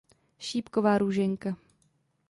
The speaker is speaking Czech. Šípková Růženka.